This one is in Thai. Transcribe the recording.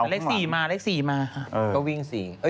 เลข๔มาเลข๔มาค่ะก็วิ่ง๔